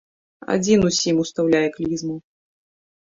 Адзін усім устаўляе клізму.